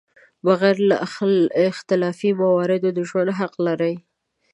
بغیر له اختلافي مواردو د ژوند حق لري.